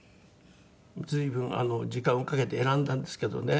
随分時間をかけて選んだんですけどね。